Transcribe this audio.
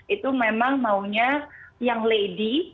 itu memang maunya yang lady